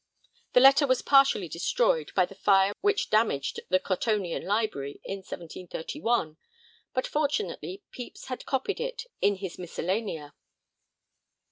The letter was partially destroyed by the fire which damaged the Cottonian Library in 1731, but fortunately Pepys had copied it in his Miscellanea.